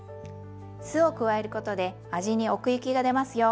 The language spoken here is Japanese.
酢を加えることで味に奥行きがでますよ。